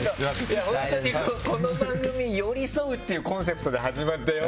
この番組、寄り添うっていうコンセプトで始まったよ。